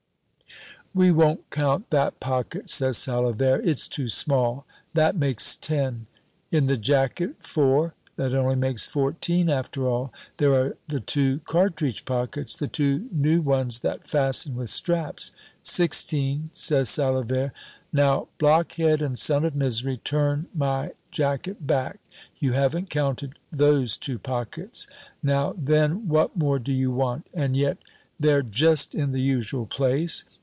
"We won't count that pocket," says Salavert, "it's too small. That makes ten." "In the jacket, four. That only makes fourteen after all." "There are the two cartridge pockets, the two new ones that fasten with straps." "Sixteen," says Salavert. "Now, blockhead and son of misery, turn my jacket back. You haven't counted those two pockets. Now then, what more do you want? And yet they're just in the usual place.